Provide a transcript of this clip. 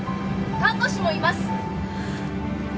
看護師もいます。